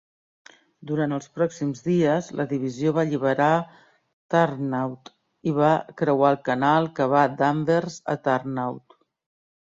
Durant els pròxims dies, la divisió va alliberar Turnhout i va creuar el canal que va d'Anvers a Turnhout.